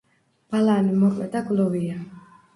ბალანი მოკლე და გლუვია.